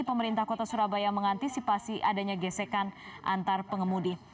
pemerintah kota surabaya mengantisipasi adanya gesekan antar pengemudi